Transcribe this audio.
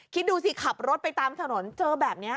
คิดดูสิขับรถไปตามถนนเจอแบบนี้